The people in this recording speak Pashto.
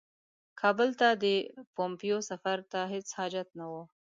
کابل ته د پومپیو سفر ته هیڅ حاجت نه وو.